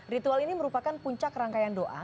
ritual ini merupakan puncak rangkaian doa